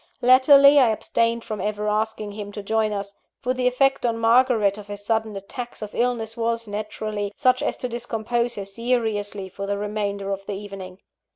Latterly, I abstained from ever asking him to join us; for the effect on Margaret of his sudden attacks of illness was, naturally, such as to discompose her seriously for the remainder of the evening.